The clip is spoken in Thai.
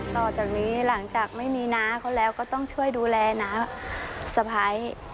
ต่อจากนี้หลังจากไม่มีน้าเขาแล้วก็ต้องช่วยดูแลน้าสะพ้าย